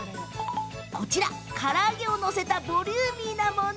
こちら、からあげを載せたボリューミーなもの